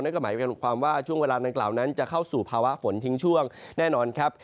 ก็หมายความว่าช่วงเวลาดังกล่าวนั้นจะเข้าสู่ภาวะฝนทิ้งช่วงแน่นอนครับ